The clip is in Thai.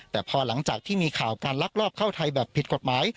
แต่พอหลังจากที่มีข่าวการลักลอบเข้าไทยแบบผิดกฎหมาย